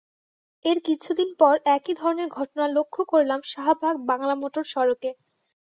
এর কিছুদিন পর একই ধরনের ঘটনা লক্ষ করলাম শাহবাগ বাংলামোটর সড়কে।